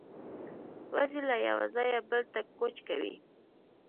وزې له یوه ځایه بل ته کوچ کوي